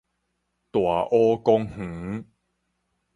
大湖公園